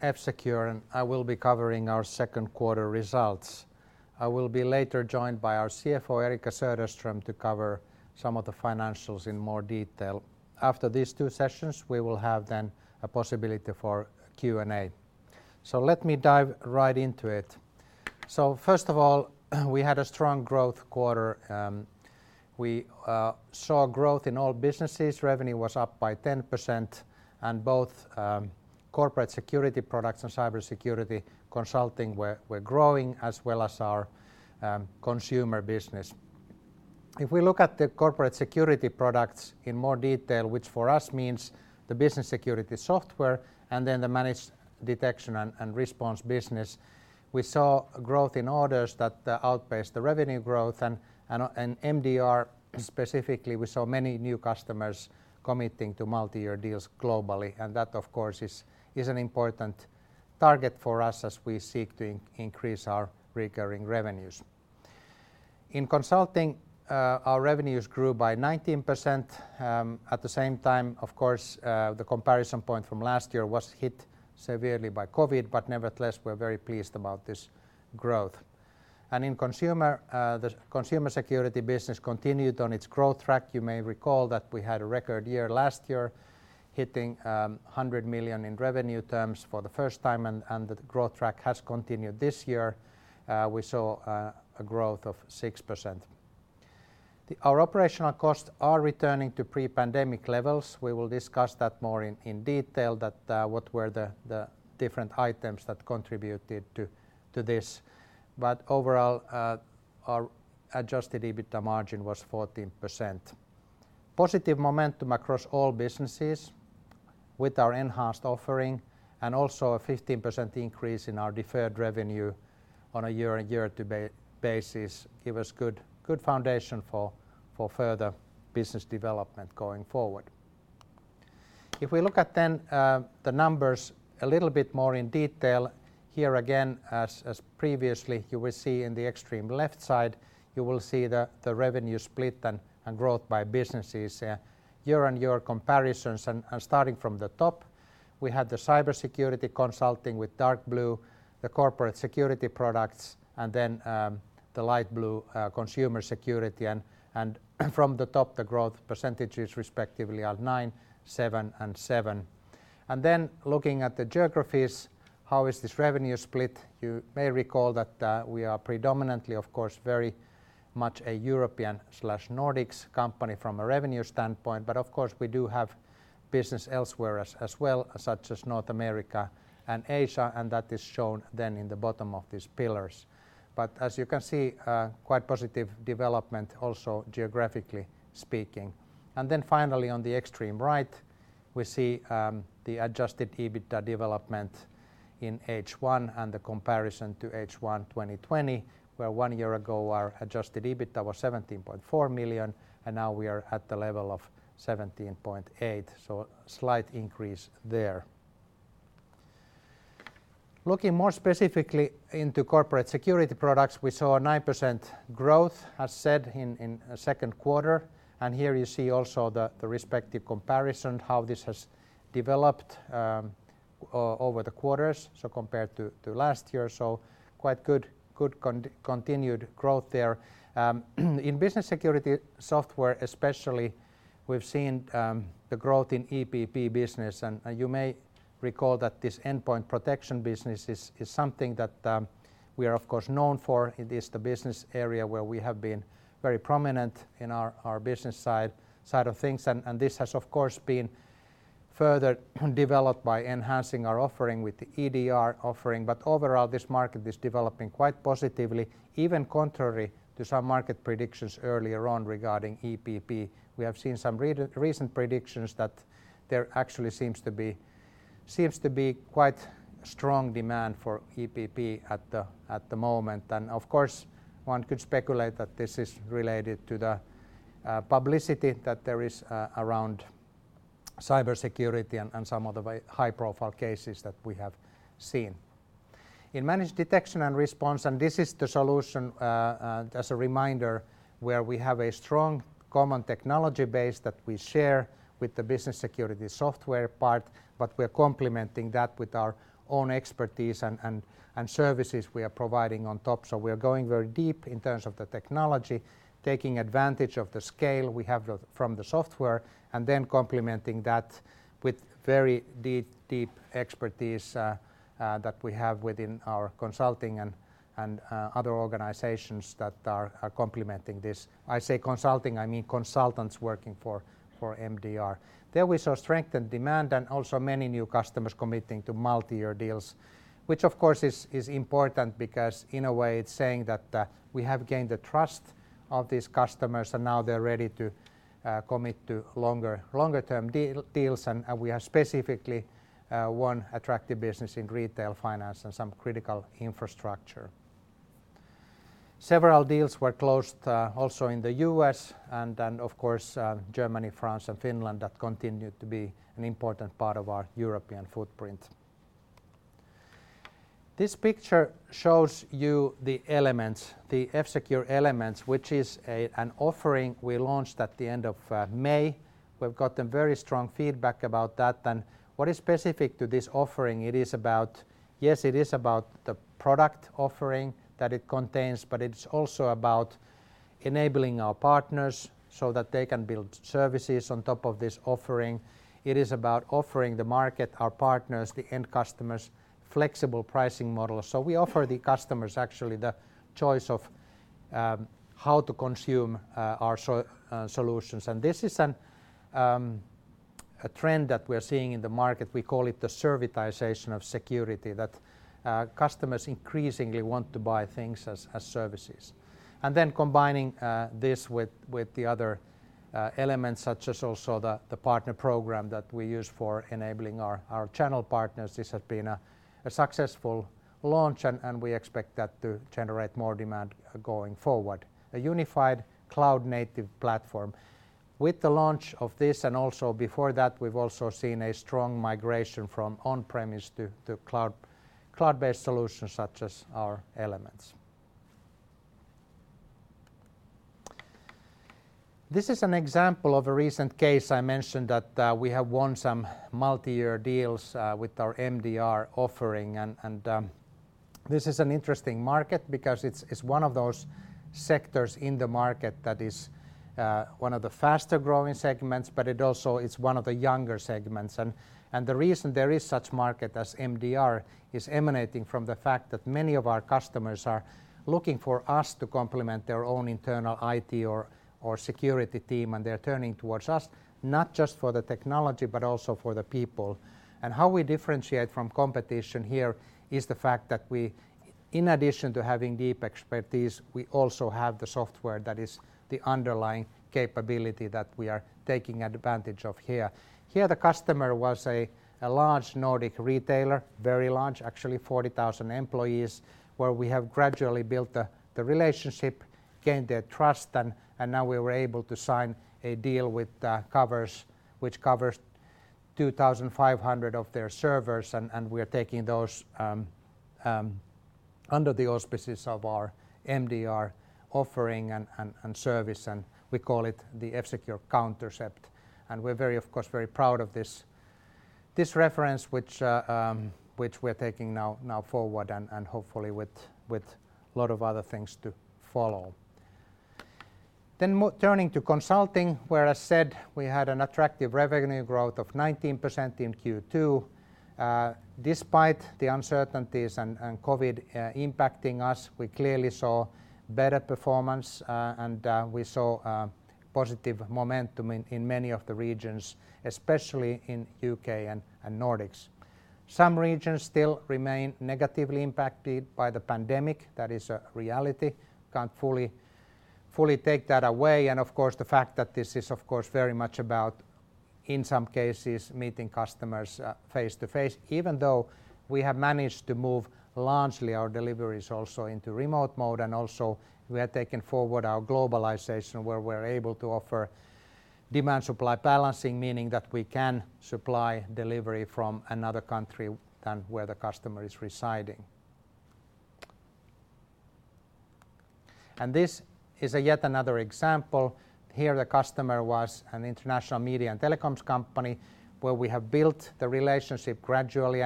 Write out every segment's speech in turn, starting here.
F-Secure, I will be covering our second quarter results. I will be later joined by our CFO, Eriikka Söderström, to cover some of the financials in more detail. After these two sessions, we will have then a possibility for Q&A. Let me dive right into it. First of all, we had a strong growth quarter. We saw growth in all businesses. Revenue was up by 10%, and both corporate security products and cybersecurity consulting were growing as well as our consumer business. If we look at the corporate security products in more detail, which for us means the business security software and then the managed detection and response business, we saw growth in orders that outpaced the revenue growth and MDR specifically, we saw many new customers committing to multi-year deals globally. That, of course, is an important target for us as we seek to increase our recurring revenues. In consulting, our revenues grew by 19%. At the same time, of course, the comparison point from last year was hit severely by COVID-19, but nevertheless, we're very pleased about this growth. In consumer, the consumer security business continued on its growth track. You may recall that we had a record year last year, hitting 100 million in revenue terms for the first time, and the growth track has continued this year. We saw a growth of 6%. Our operational costs are returning to pre-pandemic levels. We will discuss that more in detail that what were the different items that contributed to this. Overall, our adjusted EBITDA margin was 14%. Positive momentum across all businesses with our enhanced offering and also a 15% increase in our deferred revenue on a year-over-year basis give us good foundation for further business development going forward. If we look at the numbers a little bit more in detail, here again, as previously, you will see in the extreme left side, you will see the revenue split and growth by businesses year-over-year comparisons. Starting from the top, we had the cybersecurity consulting with dark blue, the corporate security products, and the light blue consumer security. From the top, the growth percentages respectively are 9%, 7%, and 7%. Looking at the geographies, how is this revenue split? You may recall that we are predominantly, of course, very much a European/Nordics company from a revenue standpoint. Of course, we do have business elsewhere as well, such as North America and Asia, and that is shown then in the bottom of these pillars. As you can see, quite positive development also geographically speaking. Finally, on the extreme right, we see the adjusted EBITDA development in H1 and the comparison to H1 2020, where one year ago, our adjusted EBITDA was 17.4 million, and now we are at the level of 17.8 million, so slight increase there. Looking more specifically into corporate security products, we saw a 9% growth, as said, in the second quarter. Here you see also the respective comparison, how this has developed over the quarters, so compared to last year, so quite good continued growth there. In business security software, especially, we've seen the growth in EPP business. You may recall that this endpoint protection business is something that we are, of course, known for. It is the business area where we have been very prominent in our business side of things. This has, of course, been further developed by enhancing our offering with the EDR offering. Overall, this market is developing quite positively, even contrary to some market predictions earlier on regarding EPP. We have seen some recent predictions that there actually seems to be quite strong demand for EPP at the moment. Of course, one could speculate that this is related to the publicity that there is around cybersecurity and some of the high-profile cases that we have seen. In Managed Detection and Response, this is the solution, as a reminder, where we have a strong common technology base that we share with the business security software part, but we're complementing that with our own expertise and services we are providing on top. We are going very deep in terms of the technology, taking advantage of the scale we have from the software, and then complementing that with very deep expertise that we have within our consulting and other organizations that are complementing this. I say consulting, I mean consultants working for MDR. There we saw strengthened demand and also many new customers committing to multi-year deals, which of course, is important because in a way, it's saying that we have gained the trust of these customers, and now they're ready to commit to longer-term deals. We have specifically won attractive business in retail finance and some critical infrastructure. Several deals were closed also in the U.S. and then, of course, Germany, France, and Finland that continued to be an important part of our European footprint. This picture shows you the F-Secure Elements, which is an offering we launched at the end of May. We've gotten very strong feedback about that. What is specific to this offering, yes, it is about the product offering that it contains, but it's also about enabling our partners so that they can build services on top of this offering. It is about offering the market, our partners, the end customers, flexible pricing models. We offer the customers actually the choice of how to consume our solutions. This is a trend that we're seeing in the market. We call it the servitization of security, that customers increasingly want to buy things as services. Combining this with the other Elements, such as also the partner program that we use for enabling our channel partners. This has been a successful launch, and we expect that to generate more demand going forward. A unified cloud-native platform. With the launch of this, and also before that, we've also seen a strong migration from on-premise to cloud-based solutions such as our Elements. This is an example of a recent case. I mentioned that we have won some multi-year deals with our MDR offering. This is an interesting market because it's one of those sectors in the market that is one of the faster-growing segments, but it also is one of the younger segments. The reason there is such market as MDR is emanating from the fact that many of our customers are looking for us to complement their own internal IT or security team, and they're turning towards us, not just for the technology, but also for the people. How we differentiate from competition here is the fact that in addition to having deep expertise, we also have the software that is the underlying capability that we are taking advantage of here. Here, the customer was a large Nordic retailer, very large, actually, 40,000 employees, where we have gradually built the relationship, gained their trust, and now we were able to sign a deal which covers 2,500 of their servers, and we are taking those under the auspices of our MDR offering and service, and we call it the F-Secure Countercept. We're very, of course, proud of this reference, which we're taking now forward and hopefully with a lot of other things to follow. Turning to consulting, where I said we had an attractive revenue growth of 19% in Q2. Despite the uncertainties and COVID impacting us, we clearly saw better performance, and we saw positive momentum in many of the regions, especially in U.K. and Nordics. Some regions still remain negatively impacted by the pandemic. That is a reality. Can't fully take that away. Of course, the fact that this is, of course, very much about, in some cases, meeting customers face-to-face, even though we have managed to move largely our deliveries also into remote mode. Also, we are taking forward our globalization, where we're able to offer demand-supply balancing, meaning that we can supply delivery from another country than where the customer is residing. This is yet another example. Here, the customer was an international media and telecoms company where we have built the relationship gradually.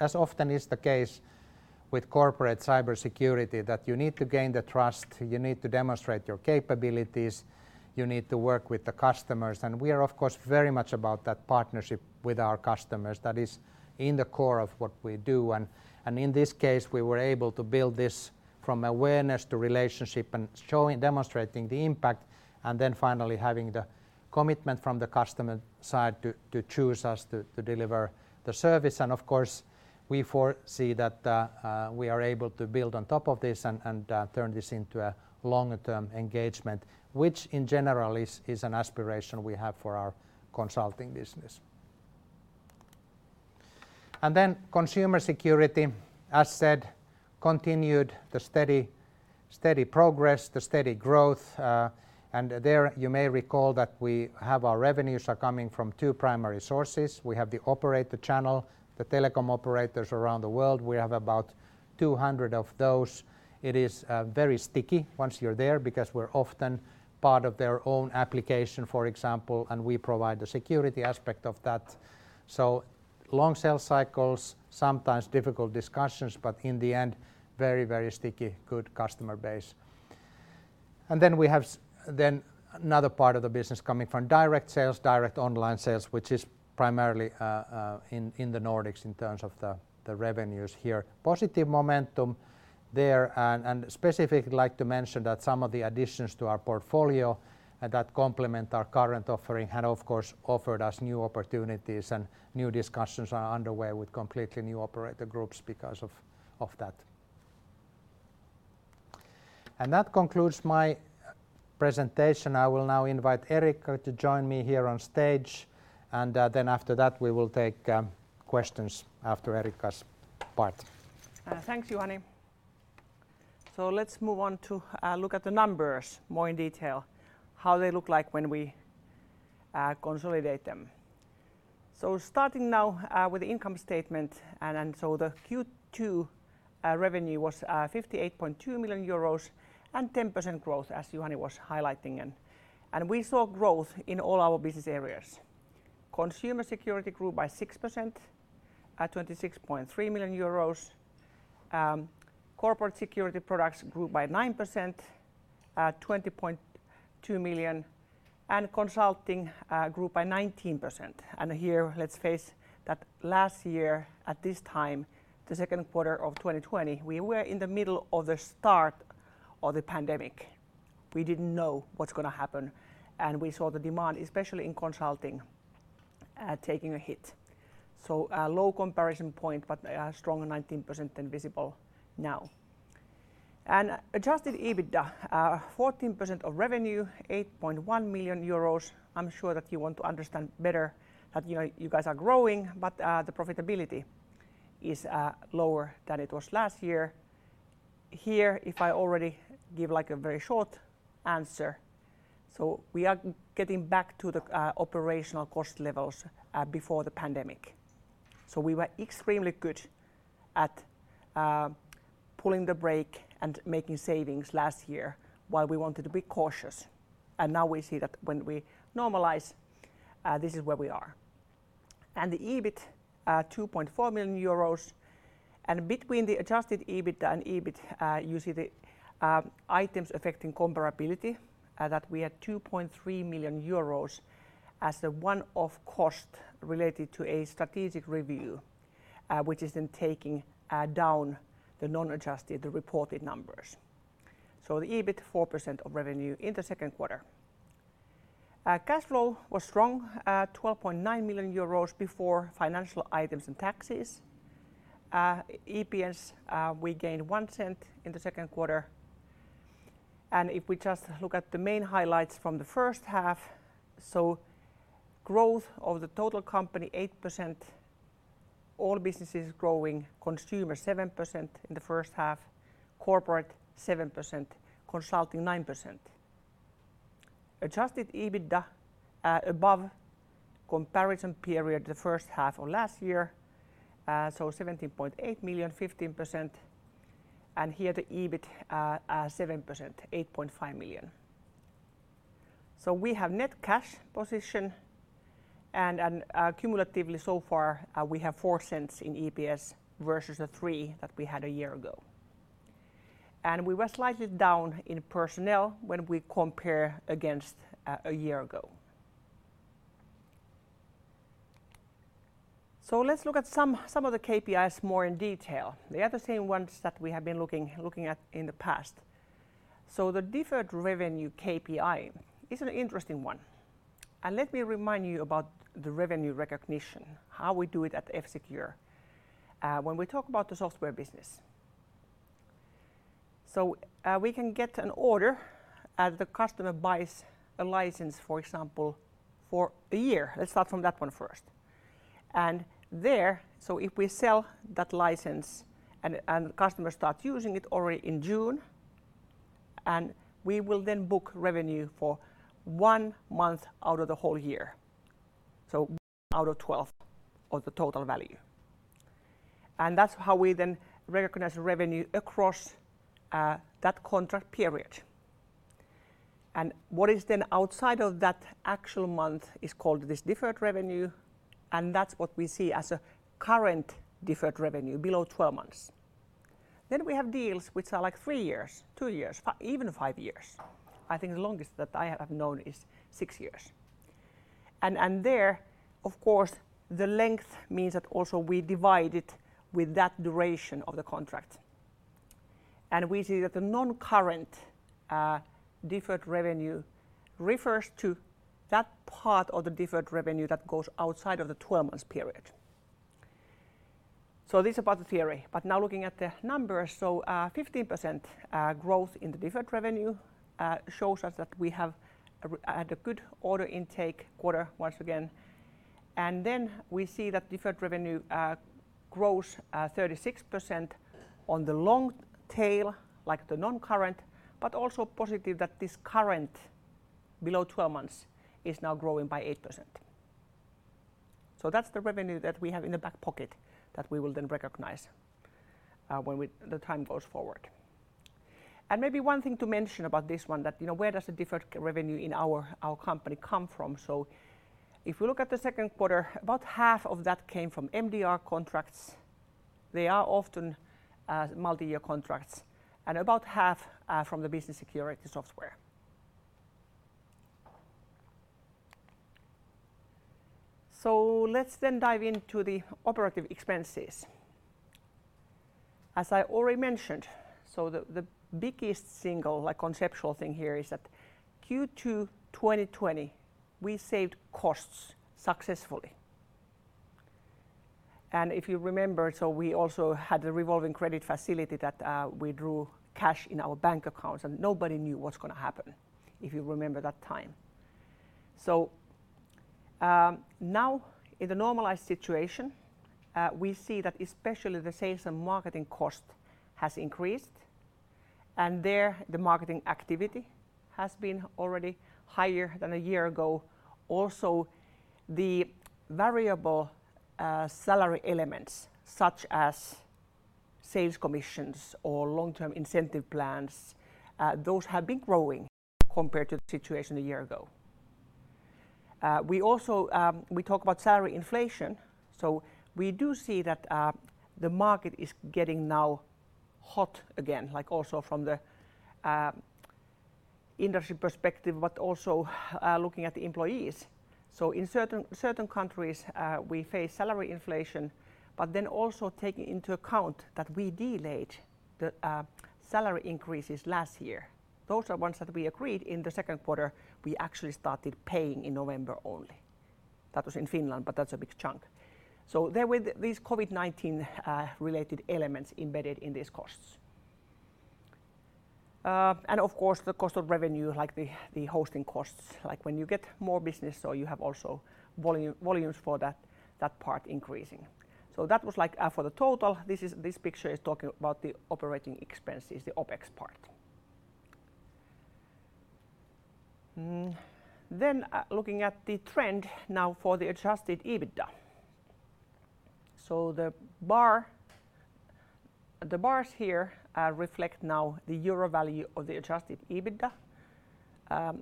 As often is the case with corporate cybersecurity, you need to gain the trust, you need to demonstrate your capabilities, you need to work with the customers. We are, of course, very much about that partnership with our customers. That is in the core of what we do. In this case, we were able to build this from awareness to relationship and demonstrating the impact, then finally having the commitment from the customer side to choose us to deliver the service. Of course, we foresee that we are able to build on top of this and turn this into a long-term engagement, which, in general, is an aspiration we have for our consulting business. Then consumer security, as said, continued the steady progress, the steady growth, and there you may recall that our revenues are coming from two primary sources. We have the operator channel, the telecom operators around the world. We have about 200 of those. It is very sticky once you're there because we're often part of their own application, for example, and we provide the security aspect of that. So long sales cycles, sometimes difficult discussions, but in the end, very sticky, good customer base. Then we have another part of the business coming from direct sales, direct online sales, which is primarily in the Nordics in terms of the revenues here. Positive momentum there, and specifically like to mention that some of the additions to our portfolio and that complement our current offering have, of course, offered us new opportunities, and new discussions are underway with completely new operator groups because of that. That concludes my presentation. I will now invite Eriikka to join me here on stage, and then after that, we will take questions after Eriikka's part. Thank you, Juhani. Let's move on to look at the numbers more in detail, how they look like when we consolidate them. Starting now with the income statement. The Q2 revenue was 58.2 million euros and 10% growth, as Juhani was highlighting. We saw growth in all our business areas. Consumer security grew by 6% at 26.3 million euros. Corporate security products grew by 9% at 20.2 million, and consulting grew by 19%. Here, let's face that last year at this time, the second quarter of 2020, we were in the middle of the start of the pandemic. We didn't know what's going to happen, and we saw the demand, especially in consulting, taking a hit. A low comparison point, but a strong 19% visible now. Adjusted EBITDA, 14% of revenue, 8.1 million euros. I'm sure that you want to understand better that you guys are growing, but the profitability is lower than it was last year. Here, if I already give a very short answer, we are getting back to the operational cost levels before the pandemic. We were extremely good at pulling the brake and making savings last year while we wanted to be cautious. Now we see that when we normalize, this is where we are. The EBIT, 2.4 million euros. Between the adjusted EBIT and EBIT, you see the items affecting comparability, that we had 2.3 million euros as a one-off cost related to a strategic review, which is then taking down the non-adjusted reported numbers. The EBIT, 4% of revenue in the second quarter. Cash flow was strong at 12.9 million euros before financial items and taxes. EPS, we gained 0.01 in the second quarter. If we just look at the main highlights from the first half, growth of the total company, 8%, all businesses growing, consumer 7% in the first half, corporate 7%, consulting 9%. Adjusted EBITDA above comparison period the first half of last year, 17.8 million, 15%, and here the EBIT at 7%, 8.5 million. We have net cash position and cumulatively so far, we have 0.04 in EPS versus 0.03 that we had a year ago. We were slightly down in personnel when we compare against a year ago. Let's look at some of the KPIs more in detail. They are the same ones that we have been looking at in the past. The deferred revenue KPI is an interesting one. Let me remind you about the revenue recognition, how we do it at F-Secure when we talk about the software business. We can get an order, the customer buys a license, for example, for one year. Let's start from that one first. There, if we sell that license, the customer starts using it already in June, we will then book revenue for one month out of the whole year. One out of 12 of the total value. That's how we then recognize revenue across that contract period. What is then outside of that actual month is called this deferred revenue, and that's what we see as a current deferred revenue below 12 months. We have deals which are three years, two years, even five years. I think the longest that I have known is six years. There, of course, the length means that also we divide it with that duration of the contract. We see that the non-current deferred revenue refers to that part of the deferred revenue that goes outside of the 12-month period. This is about the theory, but now looking at the numbers, 15% growth in deferred revenue shows us that we have had a good order intake quarter once again. We see that deferred revenue grows 36% on the long tail like the non-current, but also positive that this current below 12 months is now growing by 8%. That's the revenue that we have in the back pocket that we will then recognize when the time goes forward. Maybe one thing to mention about this one, that where does the deferred revenue in our company come from? If we look at the second quarter, about half of that came from MDR contracts. They are often multi-year contracts, and about half from the business security software. Let's dive into the operating expenses. As I already mentioned, the biggest single conceptual thing here is that Q2 2020, we saved costs successfully. If you remember, we also had the revolving credit facility that we drew cash in our bank accounts, and nobody knew what's going to happen, if you remember that time. Now in the normalized situation, we see that especially the sales and marketing cost has increased, and there the marketing activity has been already higher than a year ago. The variable salary elements such as sales commissions or long-term incentive plans, those have been growing compared to the situation a year ago. We talk about salary inflation, we do see that the market is getting now hot again, also from the industry perspective, but also looking at the employees. In certain countries, we face salary inflation, also taking into account that we delayed the salary increases last year. Those are ones that we agreed in the second quarter, we actually started paying in November only. That was in Finland, that's a big chunk. There were these COVID-19 related elements embedded in these costs. Of course, the cost of revenue, like the hosting costs, like when you get more business, you have also volumes for that part increasing. That was for the total. This picture is talking about the operating expenses, the OPEX part. Looking at the trend now for the adjusted EBITDA. The bars here reflect now the euro value of the adjusted EBITDA.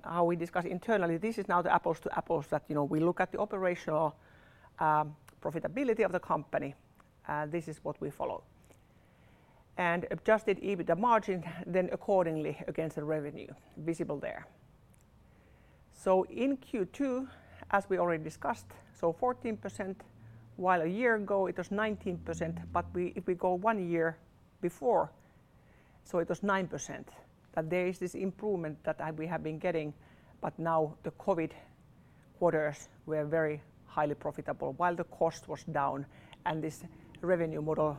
How we discuss internally, this is now the apples to apples that we look at the operational profitability of the company, and this is what we follow. Adjusted EBITDA margin, then accordingly against the revenue visible there. In Q2, as we already discussed, so 14%, while a year ago it was 19%, but if we go one year before, so it was 9%. There is this improvement that we have been getting, but now the COVID quarters were very highly profitable while the cost was down and this revenue model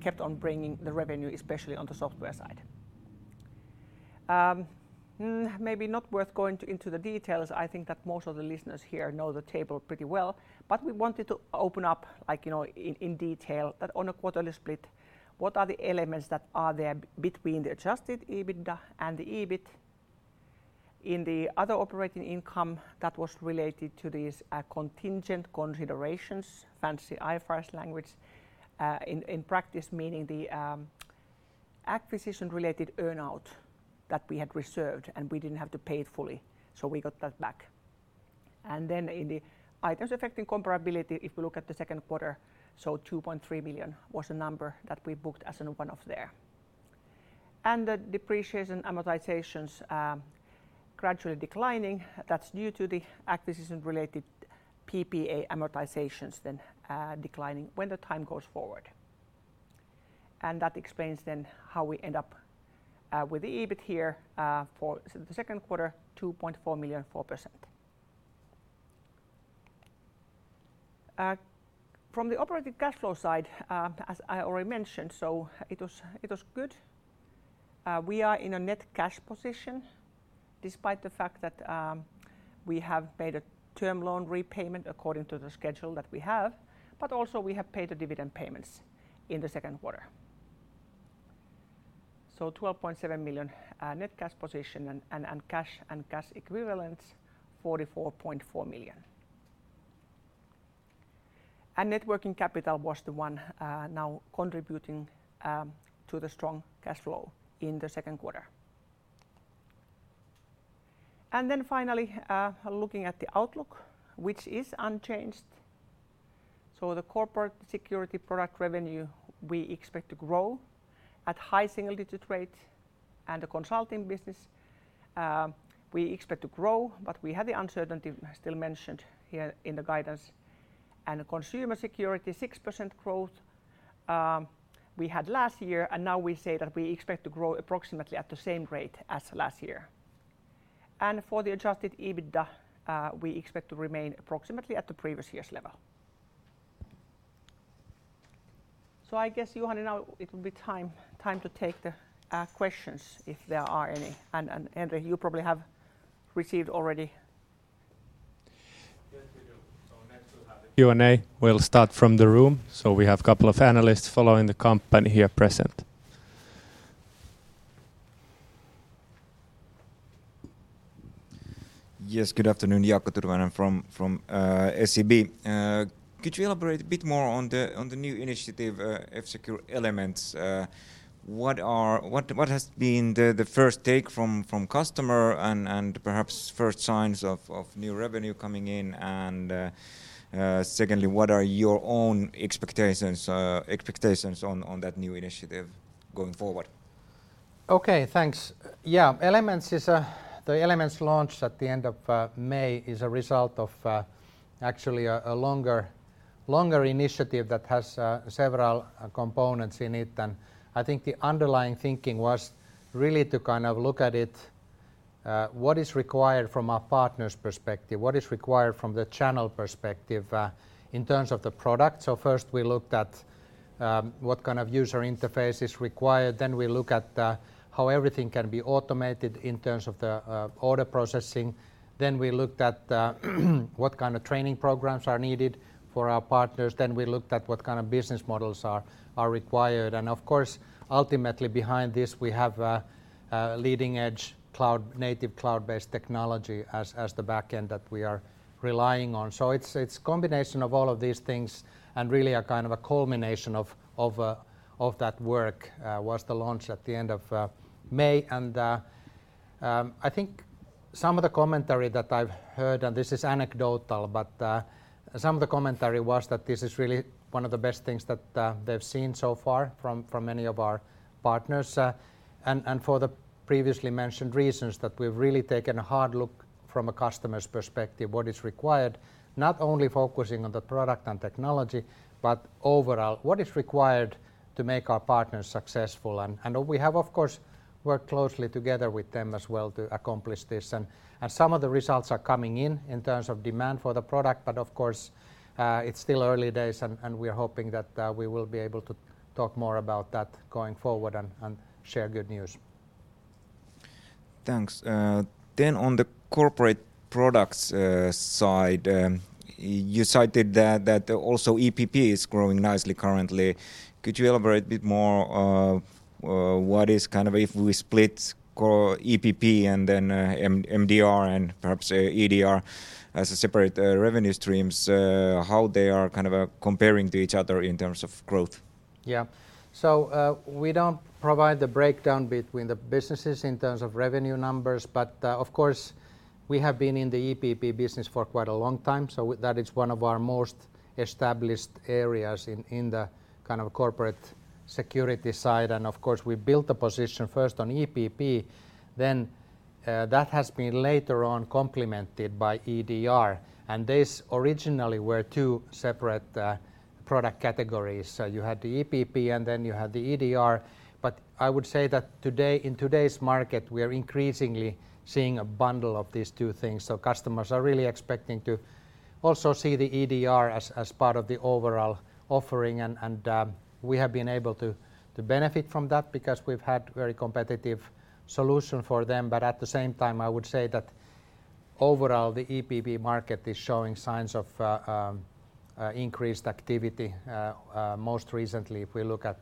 kept on bringing the revenue, especially on the software side. Maybe not worth going into the details. I think that most of the listeners here know the table pretty well, but we wanted to open up in detail on a quarterly split, what are the Elements that are there between the adjusted EBITDA and the EBIT in the other operating income that was related to these contingent considerations, fancy IFRS language. In practice, meaning the acquisition-related earn-out that we had reserved, and we didn't have to pay fully, so we got that back. In the items affecting comparability, if you look at the second quarter, 2.3 million was the number that we booked as a one-off there. The depreciation amortizations gradually declining, that's due to the acquisition-related PPA amortizations then declining when the time goes forward. That explains then how we end up with the EBIT here for the second quarter, 2.4 million, 4%. From the operating cash flow side, as I already mentioned, it was good. We are in a net cash position despite the fact that we have made a term loan repayment according to the schedule that we have, but also we have paid the dividend payments in the second quarter. 12.7 million net cash position and cash and cash equivalents, 44.4 million. Net working capital was the one now contributing to the strong cash flow in the second quarter. Finally, looking at the outlook, which is unchanged. The corporate security product revenue, we expect to grow at high single-digit rates. The consulting business, we expect to grow, but we have the uncertainty I still mentioned here in the guidance. Consumer security, 6% growth we had last year, and now we say that we expect to grow approximately at the same rate as last year. For the adjusted EBITDA, we expect to remain approximately at the previous year's level. I guess, Juhani, now it will be time to take the questions if there are any. You probably have received already. Yes, we do. Next, we'll have the Q&A. We'll start from the room. We have a couple of analysts following the company here present. Yes, good afternoon. Jaakko Tyrväinen from SEB. Could you elaborate a bit more on the new initiative, F-Secure Elements? What has been the first take from customer and perhaps first signs of new revenue coming in? Secondly, what are your own expectations on that new initiative going forward? Okay, thanks. Yeah, the Elements launch at the end of May is a result of actually a longer initiative that has several components in it. I think the underlying thinking was really to look at it, what is required from a partner's perspective, what is required from the channel perspective in terms of the product? First we looked at. What kind of user interface is required? We look at how everything can be automated in terms of the order processing. We looked at what kind of training programs are needed for our partners. We looked at what kind of business models are required. Of course, ultimately behind this, we have a leading-edge native cloud-based technology as the back end that we are relying on. It's a combination of all of these things and really a culmination of that work was the launch at the end of May. I think some of the commentary that I've heard, and this is anecdotal, but some of the commentary was that this is really one of the best things that they've seen so far from many of our partners. For the previously mentioned reasons, that we've really taken a hard look from a customer's perspective, what is required, not only focusing on the product and technology, but overall, what is required to make our partners successful. We have, of course, worked closely together with them as well to accomplish this. Some of the results are coming in in terms of demand for the product. Of course, it's still early days, and we're hoping that we will be able to talk more about that going forward and share good news. Thanks. On the corporate products side, you cited that also EPP is growing nicely currently. Could you elaborate a bit more what is, if we split EPP and then MDR and perhaps EDR as separate revenue streams, how they are comparing to each other in terms of growth? We do not provide the breakdown between the businesses in terms of revenue numbers, but of course, we have been in the EPP business for quite a long time, that is one of our most established areas in the corporate security side. Of course, we built a position first on EPP, that has been later on complemented by EDR. These originally were two separate product categories. You had the EPP, you had the EDR. I would say that in today's market, we are increasingly seeing a bundle of these two things. Customers are really expecting to also see the EDR as part of the overall offering, we have been able to benefit from that because we've had very competitive solution for them. At the same time, I would say that overall, the EPP market is showing signs of increased activity. Most recently, if we look at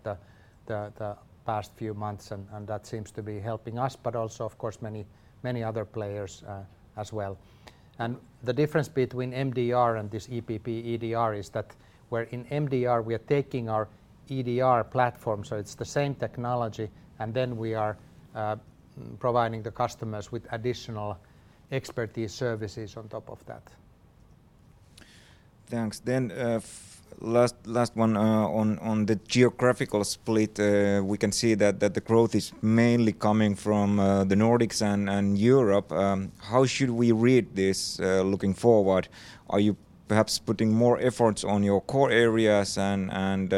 the past few months, and that seems to be helping us, but also, of course, many other players as well. The difference between MDR and this EPP/EDR is that where in MDR we are taking our EDR platform, so it's the same technology, and then we are providing the customers with additional expertise services on top of that. Thanks. Last one, on the geographical split, we can see that the growth is mainly coming from the Nordics and Europe. How should we read this looking forward? Are you perhaps putting more efforts on your core areas, and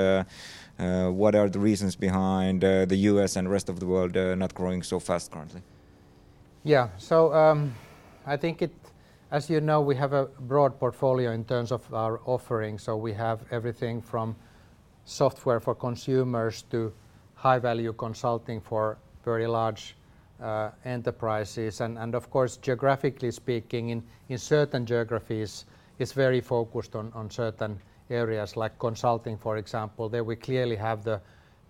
what are the reasons behind the U.S. and rest of the world not growing so fast currently? Yeah. I think as you know, we have a broad portfolio in terms of our offerings. We have everything from software for consumers to high-value consulting for very large enterprises. Of course, geographically speaking, in certain geographies, it's very focused on certain areas, like consulting, for example. There we clearly have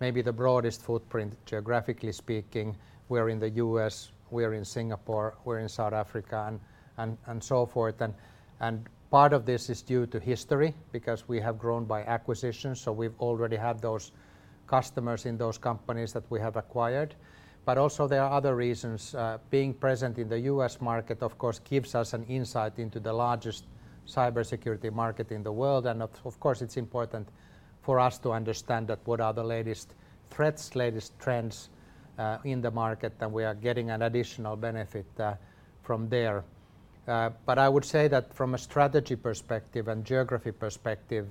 maybe the broadest footprint, geographically speaking. We're in the U.S., we're in Singapore, we're in South Africa, and so forth. Part of this is due to history because we have grown by acquisition, so we already have those customers in those companies that we have acquired. Also, there are other reasons. Being present in the U.S. market, of course, gives us an insight into the largest cybersecurity market in the world. Of course, it's important for us to understand what are the latest threats, latest trends in the market, and we are getting an additional benefit from there. I would say that from a strategy perspective and geography perspective,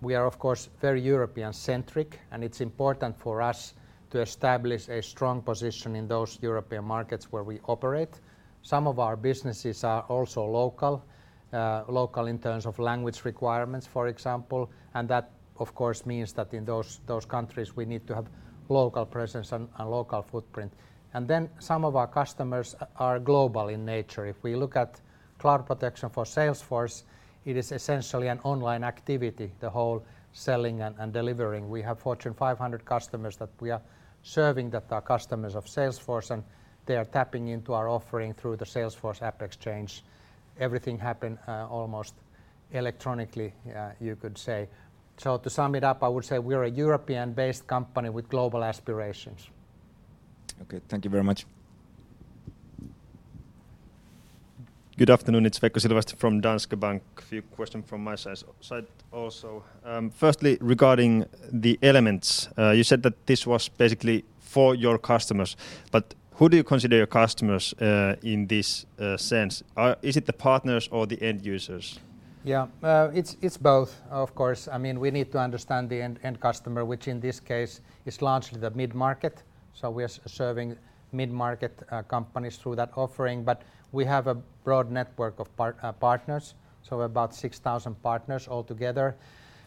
we are of course very European-centric, and it's important for us to establish a strong position in those European markets where we operate. Some of our businesses are also local in terms of language requirements, for example, and that of course means that in those countries, we need to have local presence and a local footprint. Some of our customers are global in nature. If we look at cloud protection for Salesforce, it is essentially an online activity, the whole selling and delivering. We have Fortune 500 customers that we are serving that are customers of Salesforce, and they are tapping into our offering through the Salesforce AppExchange. Everything happened almost electronically, you could say. To sum it up, I would say we are a European-based company with global aspirations. Okay. Thank you very much. Good afternoon. It's Veikko Silvasti from Danske Bank. A few question from my side also. Firstly, regarding the Elements, you said that this was basically for your customers, but who do you consider your customers in this sense? Is it the partners or the end users? Yeah. It's both, of course. We need to understand the end customer, which in this case is launched in the mid-market. We are serving mid-market companies through that offering, but we have a broad network of partners, about 6,000 partners altogether.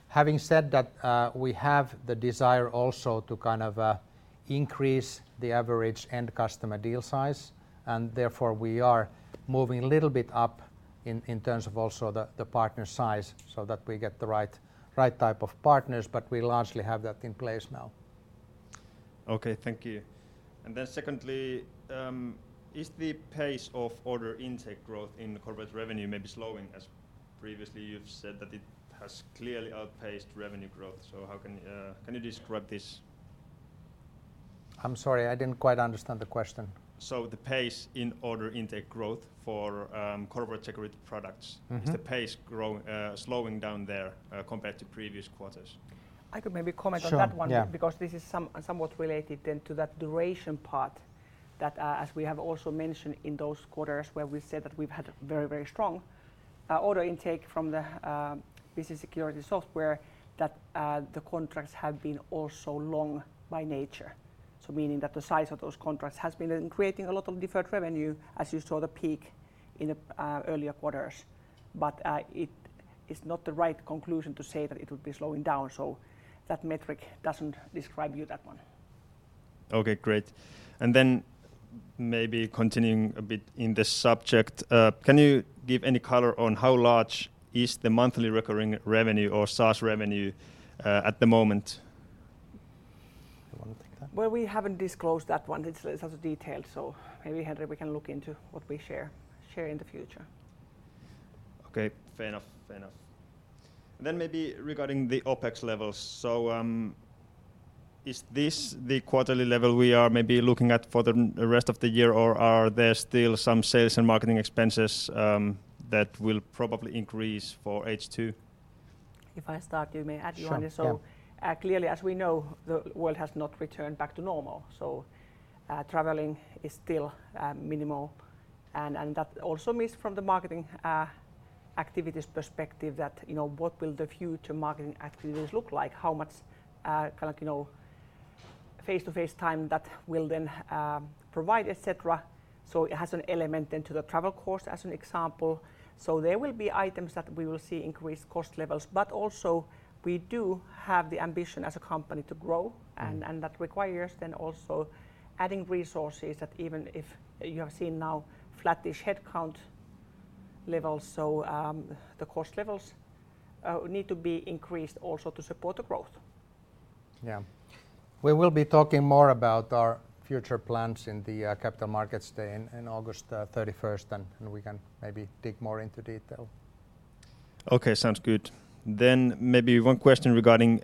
Having said that, we have the desire also to increase the average end customer deal size, therefore we are moving a little bit up in terms of also the partner size so that we get the right type of partners, we largely have that in place now. Okay. Thank you. Then secondly, is the pace of order intake growth in corporate revenue maybe slowing, as previously you've said that it has clearly outpaced revenue growth? Can you describe this? I'm sorry, I didn't quite understand the question. The pace in order intake growth for corporate security products. Is the pace slowing down there compared to previous quarters? I could maybe comment on that one. Sure. Yeah -because this is somewhat related then to that duration part that, as we have also mentioned in those quarters where we said that we've had very strong order intake from the business security software, that the contracts have been also long by nature. Meaning that the size of those contracts has been creating a lot of deferred revenue as you saw the peak in the earlier quarters. It's not the right conclusion to say that it will be slowing down. That metric doesn't describe you that one. Okay, great. Maybe continuing a bit in this subject, can you give any color on how large is the monthly recurring revenue or SaaS revenue at the moment? Well, we haven't disclosed that one. It's detail, so maybe, Henri, we can look into what we share in the future. Okay. Fair enough. Maybe regarding the OPEX levels, is this the quarterly level we are maybe looking at for the rest of the year, or are there still some sales and marketing expenses that will probably increase for H2? If I start, you may add your own. Sure. Yeah. Clearly, as we know, the world has not returned back to normal, so traveling is still minimal, and that also means from the marketing activities perspective that what will the future marketing activities look like, how much face-to-face time that will then provide, et cetera. It has an element into the travel cost as an example. There will be items that we will see increased cost levels. Also we do have the ambition as a company to grow, and that requires then also adding resources that even if you are seeing now flattish head count levels. The cost levels need to be increased also to support the growth. Yeah. We will be talking more about our future plans in the Capital Markets Day in August 31st. We can maybe dig more into detail. Okay, sounds good. Maybe one question regarding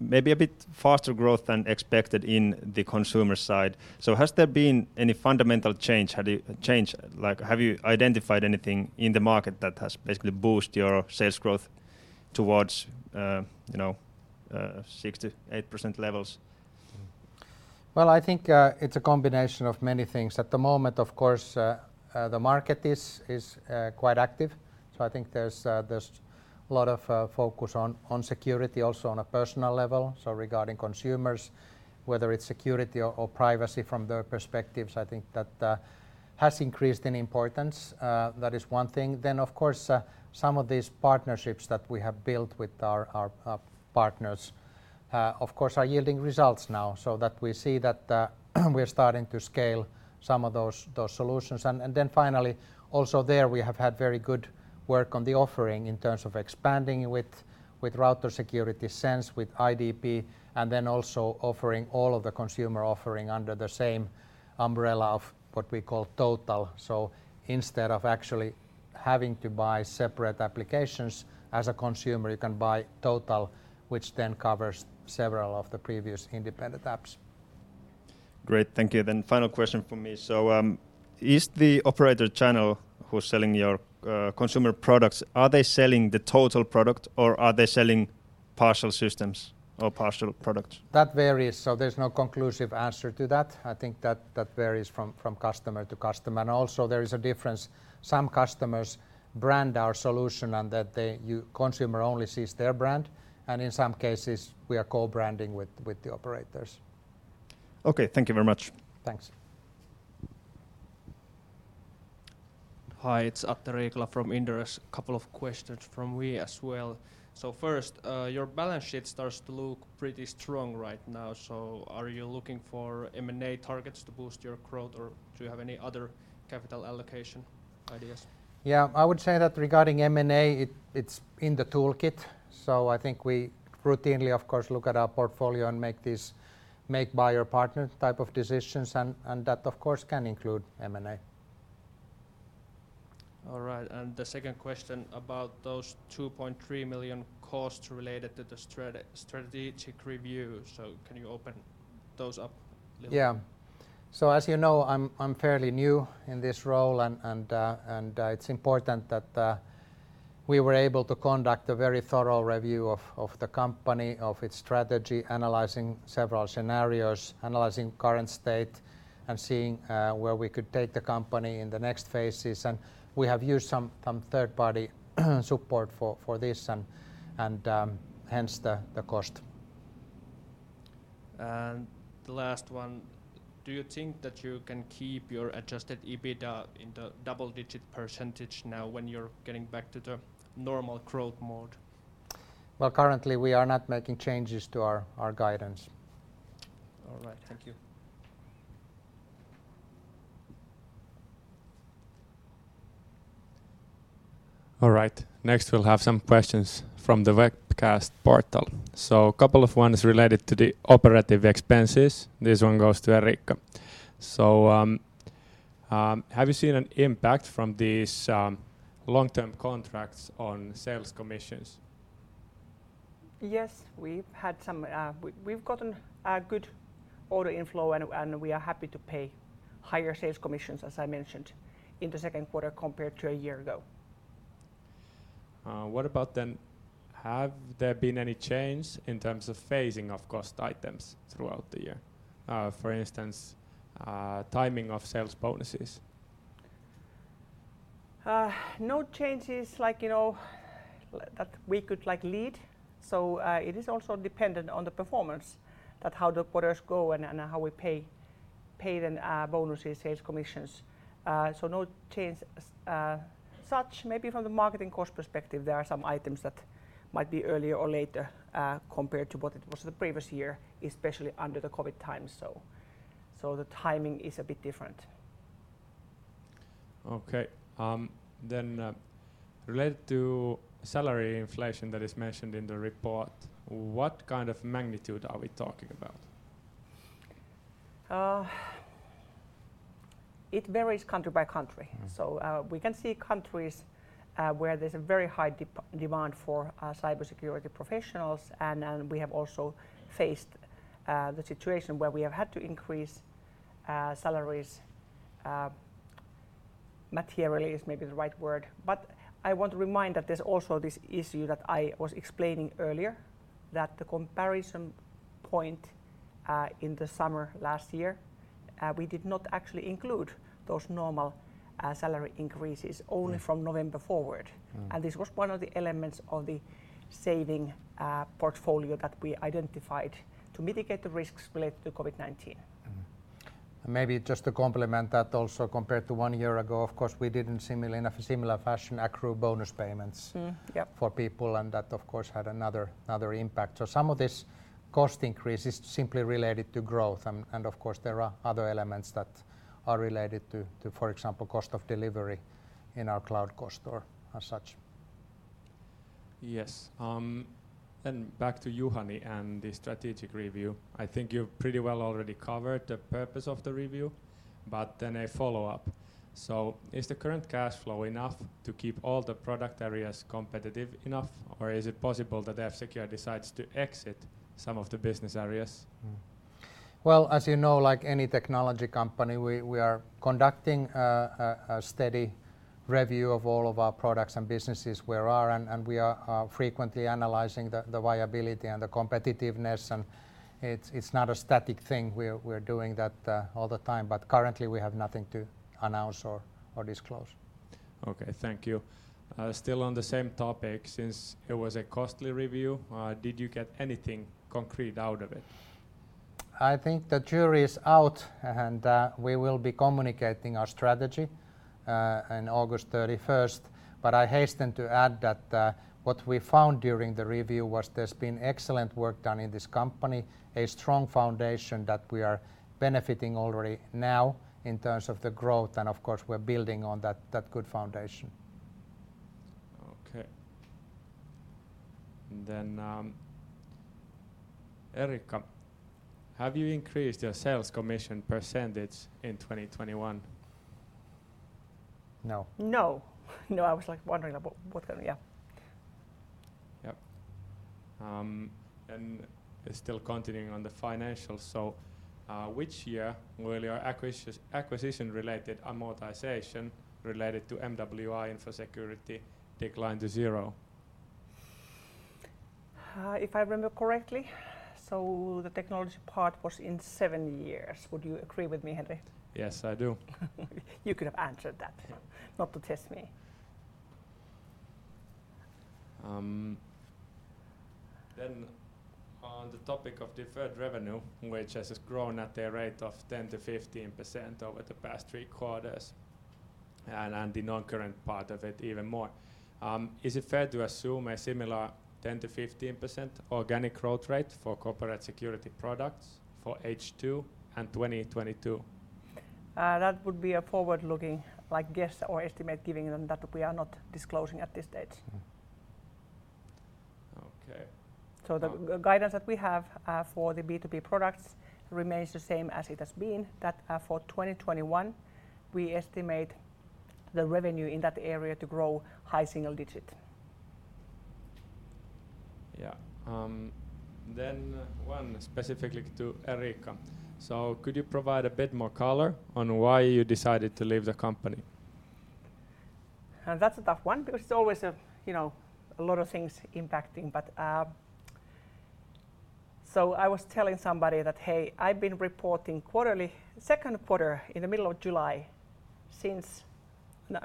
maybe a bit faster growth than expected in the consumer side. Has there been any fundamental change? Have you identified anything in the market that has basically boost your sales growth towards 6 to 8% levels? Well, I think it's a combination of many things. At the moment, of course, the market is quite active, so I think there's a lot of focus on security also on a personal level. Regarding consumers, whether it's security or privacy from their perspectives, I think that has increased in importance. That is one thing. Of course, some of these partnerships that we have built with our partners, of course, are yielding results now, so that we see that we're starting to scale some of those solutions. Finally, also there we have had very good work on the offering in terms of expanding with SENSE, with IDP, and then also offering all of the consumer offering under the same umbrella of what we call total. Instead of actually having to buy separate applications, as a consumer, you can buy total, which then covers several of the previous independent apps. Great. Thank you. Final question from me. Is the operator channel who are selling your consumer products, are they selling the total product or are they selling partial systems or partial products? That varies, so there's no conclusive answer to that. I think that varies from customer to customer. Also there is a difference. Some customers brand our solution and that the consumer only sees their brand, and in some cases, we are co-branding with the operators. Okay. Thank you very much. Thanks. Hi, it's Atte Riikola from Inderes. A couple of questions from me as well. First, your balance sheet starts to look pretty strong right now. Are you looking for M&A targets to boost your growth, or do you have any other capital allocation ideas? Yeah, I would say that regarding M&A, it's in the toolkit. I think we routinely, of course, look at our portfolio and make buy or partner type of decisions, and that, of course, can include M&A. All right. The second question about those 2.3 million costs related to the strategic review. Can you open those up a little bit? Yeah. As you know, I'm fairly new in this role, and it's important that we were able to conduct a very thorough review of the company, of its strategy, analyzing several scenarios, analyzing current state, and seeing where we could take the company in the next phases. We have used some third-party support for this and hence the cost. The last one, do you think that you can keep your adjusted EBITDA in the double-digit % now when you're getting back to the normal growth mode? Well, currently, we are not making changes to our guidance. All right, thank you. All right. Next, we'll have some questions from the webcast portal. A couple of ones related to the operative expenses. This one goes to Eriikka. Have you seen an impact from these long-term contracts on sales commissions? Yes, we've gotten a good order inflow, and we are happy to pay higher sales commissions, as I mentioned, in the second quarter compared to a year ago. What about then, has there been any change in terms of phasing of cost items throughout the year? For instance, timing of sales bonuses. No changes that we could lead. It is also dependent on the performance of how the quarters go and how we pay bonuses and sales commissions. No change as such. Maybe from the marketing cost perspective, there are some items that might be earlier or later compared to what it was the previous year, especially under the COVID time. The timing is a bit different. Okay. Related to salary inflation that is mentioned in the report, what kind of magnitude are we talking about? It varies country by country. We can see countries where there's a very high demand for cybersecurity professionals, and we have also faced the situation where we have had to increase salaries. Materially is maybe the right word. I want to remind that there's also this issue that I was explaining earlier, that the comparison point in the summer last year, we did not actually include those normal salary increases, only from November forward. This was one of the elements of the saving portfolio that we identified to mitigate the risks related to COVID-19. Maybe just to complement that also, compared to one year ago, of course, we didn't similarly in a similar fashion accrue bonus payments. Mm-hmm. Yep. for people, and that of course, had another impact. Some of this cost increase is simply related to growth, and of course, there are other elements that are related to, for example, cost of delivery in our cloud cost or as such. Yes. Back to Juhani and the strategic review. I think you've pretty well already covered the purpose of the review, but then a follow-up. Is the current cash flow enough to keep all the product areas competitive enough, or is it possible that F-Secure decides to exit some of the business areas? Well, as you know, like any technology company, we are conducting a steady review of all of our products and businesses, and we are frequently analyzing the viability and the competitiveness. It's not a static thing. We're doing that all the time. Currently, we have nothing to announce or disclose. Okay, thank you. Still on the same topic, since it was a costly review, did you get anything concrete out of it? I think the Jury is out, and we will be communicating our strategy in August 31st. I hasten to add that what we found during the review was there's been excellent work done in this company, a strong foundation that we are benefiting already now in terms of the growth, and of course, we're building on that good foundation. Okay. Eriikka, have you increased your sales commission percentage in 2021? No. No. No, I was like wondering about what that yeah. Yep. Still continuing on the financials, which year will your acquisition-related amortization related to MWR InfoSecurity decline to zero? If I remember correctly, the technology part was in seven years. Would you agree with me, Juhani? Yes, I do. You could answer that, not to test me. On the topic of deferred revenue, which has grown at the rate of 10%-15% over the past three quarters, and the non-current part of it even more, is it fair to assume a similar 10%-15% organic growth rate for corporate security products for H2 and 2022? That would be a forward-looking guess or estimate given that we are not disclosing at this stage. Okay. The guidance that we have for the B2B products remains the same as it has been, that for 2021, we estimate the revenue in that area to grow high single digits. Yeah. One specifically to Eriikka. Could you provide a bit more color on why you decided to leave the company? That's a tough one because it's always a lot of things impacting. I was telling somebody that, "Hey, I've been reporting quarterly, second quarter in the middle of July since," I'm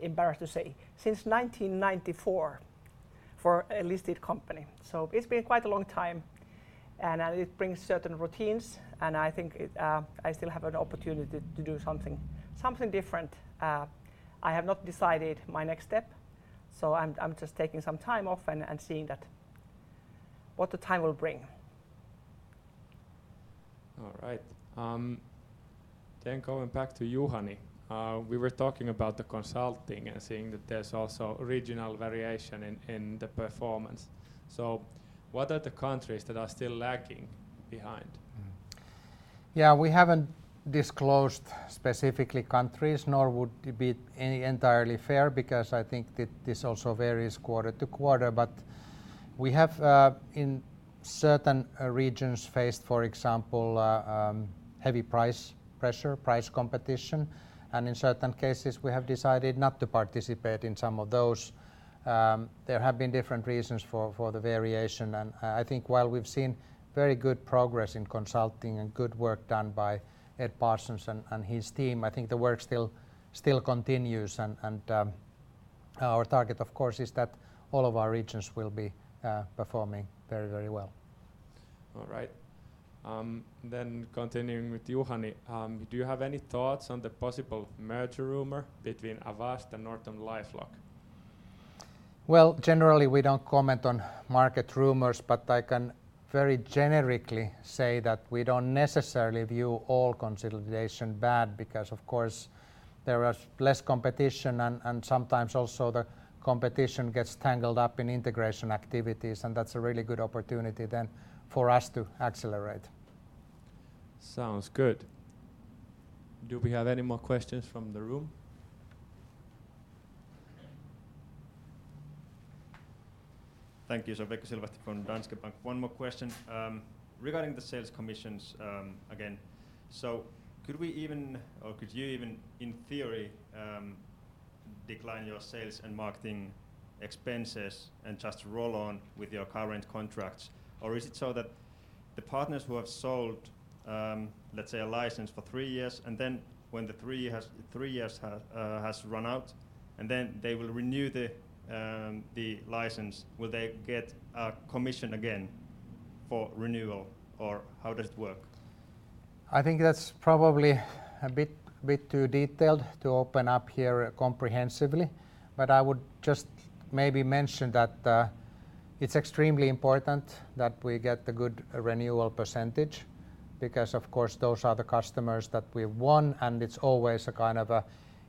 embarrassed to say, "Since 1994," for a listed company. It's been quite a long time, and it brings certain routines, and I think I still have an opportunity to do something different. I have not decided my next step, so I'm just taking some time off and seeing what the time will bring. All right. Going back to Juhani, we were talking about the consulting and seeing that there's also regional variation in the performance. What are the countries that are still lagging behind? Yeah, we haven't disclosed specific countries, nor would it be entirely fair because I think that this also varies quarter to quarter. We have, in certain regions, faced, for example, heavy price pressure, price competition, and in certain cases, we have decided not to participate in some of those. There have been different reasons for the variation, and I think while we've seen very good progress in consulting and good work done by Ed Parsons and his team, I think the work still continues. Our target, of course, is that all of our regions will be performing very well. All right. Continuing with Juhani, do you have any thoughts on the possible merger rumor between Avast and NortonLifeLock? Generally, we don't comment on market rumors, but I can very generically say that we don't necessarily view all consolidation as bad because, of course, there is less competition, and sometimes also the competition gets tangled up in integration activities, and that's a really good opportunity then for us to accelerate. Sounds good. Do we have any more questions from the room? Thank you. One more question. Regarding the sales commissions again, could we even, or could you even, in theory, decline your sales and marketing expenses and just roll on with your current contracts? Is it so that the partners who have sold, let's say, a license for three years, and then when the three years have run out, and then they will renew the license, will they get a commission again for renewal, or how does it work? I think that's probably a bit too detailed to open up here comprehensively, but I would just maybe mention that it's extremely important that we get a good renewal percentage because, of course, those are the customers that we've won, and it's always a kind of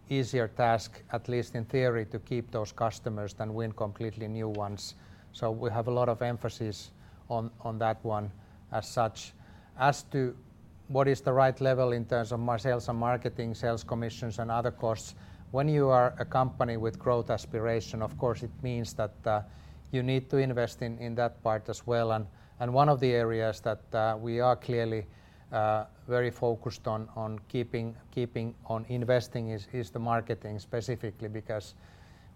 easier task, at least in theory, to keep those customers than win completely new ones. We have a lot of emphasis on that one as such. As to what is the right level in terms of my sales and marketing, sales commissions, and other costs, when you are a company with growth aspiration, of course, it means that you need to invest in that part as well. One of the areas that we are clearly very focused on keeping on investing in is marketing specifically because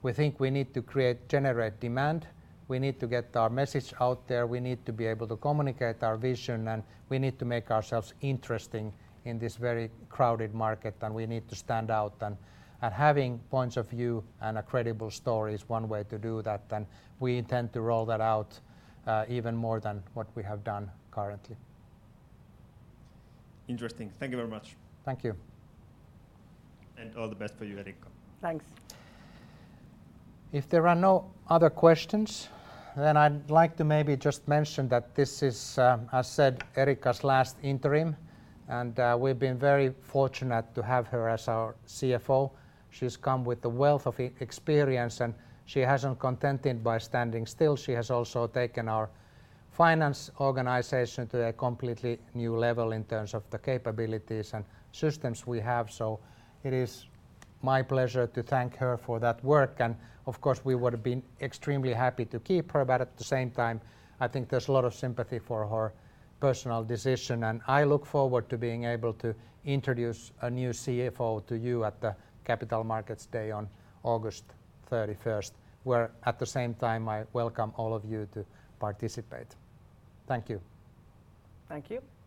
we think we need to generate demand. We need to get our message out there. We need to be able to communicate our vision, and we need to make ourselves interesting in this very crowded market, and we need to stand out. Having points of view and a credible story is one way to do that, and we intend to roll that out even more than what we have done currently. Interesting. Thank you very much. Thank you. all the best to you, Eriikka. Thanks. If there are no other questions, I'd like to maybe just mention that this is, as said, Eriikka's last interim, and we've been very fortunate to have her as our CFO. She's come with a wealth of experience, and she hasn't contented by standing still. She has also taken our finance organization to a completely new level in terms of the capabilities and systems we have. It is my pleasure to thank her for that work. Of course, we would have been extremely happy to keep her, but at the same time, I think there's a lot of sympathy for her personal decision, and I look forward to being able to introduce a new CFO to you at the Capital Markets Day on August 31st, where at the same time, I welcome all of you to participate. Thank you. Thank you.